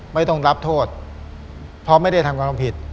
ไม่ต้องรับโทษเพราะไม่ได้ทำการทำผิด